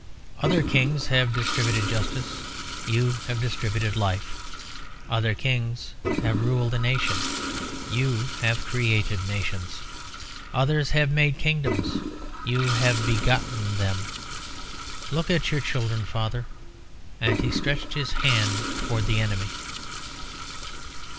Other kings have distributed justice, you have distributed life. Other kings have ruled a nation, you have created nations. Others have made kingdoms, you have begotten them. Look at your children, father!" and he stretched his hand out towards the enemy.